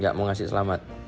gak mau ngasih selamat